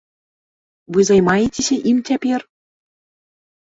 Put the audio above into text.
Вы займаецеся ім цяпер?